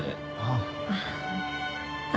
ああ。